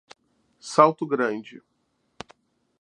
Salto Grande